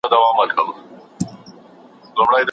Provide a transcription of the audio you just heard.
موږ د خپلې ټولنې د امنیت لپاره هڅې کوو.